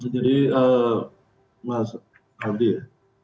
jadi mas aldi ya